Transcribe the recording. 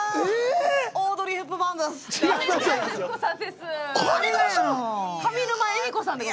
オードリー・ヘプバーンです。